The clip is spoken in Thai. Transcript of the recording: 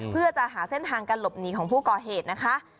เพื่อจะหาเส้นทางการหลบหนีของผู้ก่อเหตุนะคะ